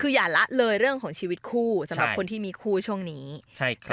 คืออย่าละเลยเรื่องของชีวิตคู่สำหรับคนที่มีคู่ช่วงนี้ใช่ครับ